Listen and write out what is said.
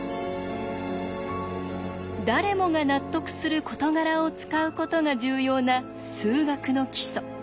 誰もが納得する事柄を使うことが重要な数学の基礎。